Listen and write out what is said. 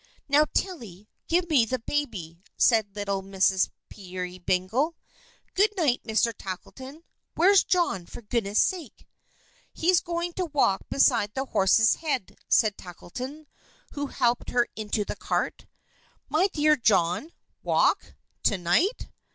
"Now, Tilly, give me the baby," said little Mrs. Peerybingle. "Good night, Mr. Tackleton. Where's John, for goodness' sake?" "He's going to walk beside the horse's head," said Tackleton, who helped her into the cart. "My dear John! Walk? to night?"